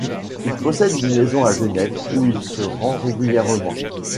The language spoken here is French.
Il possède une maison à Genève où il se rend régulièrement.